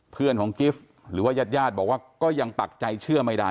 เพื่อนของกิฟต์หรือว่ายาดบอกว่าก็ยังปักใจเชื่อไม่ได้